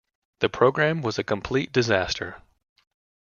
The program was a complete disaster.